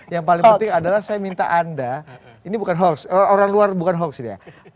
yang paling penting adalah saya minta anda ini bukan hoax orang luar bukan hoax ini ya